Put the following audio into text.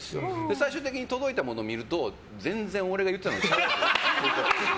最終的に届いたものを見ると全然、俺が言ってたのと違う。